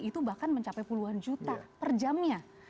itu bahkan mencapai puluhan juta per jamnya